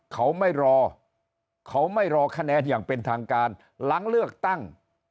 เขาไม่รอเขาไม่รอคะแนนอย่างเป็นทางการหลังเลือกตั้ง